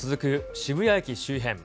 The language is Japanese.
渋谷駅周辺。